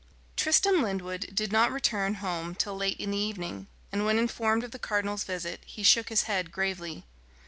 Tristam Lyndwood did not return home till late in the evening; and when informed of the cardinal's visit, he shook his head gravely.